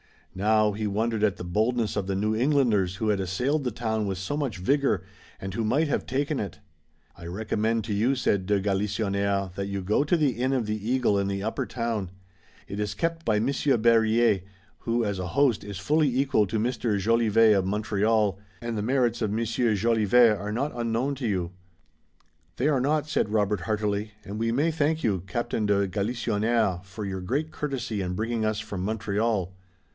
Now, he wondered at the boldness of the New Englanders who had assailed the town with so much vigor, and who might have taken it. "I recommend to you," said de Galisonnière, "that you go to the Inn of the Eagle in the Upper Town. It is kept by Monsieur Berryer, who as a host is fully equal to Monsieur Jolivet of Montreal, and the merits of Monsieur Jolivet are not unknown to you." "They are not," said Robert heartily, "and we may thank you, Captain de Galisonnière, for your great courtesy in bringing us from Montreal.